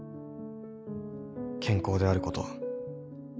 健康であること。